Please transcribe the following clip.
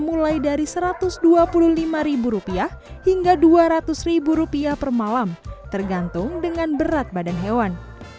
mulai dari satu ratus dua puluh lima rupiah hingga dua ratus rupiah per malam tergantung dengan berat badan hewan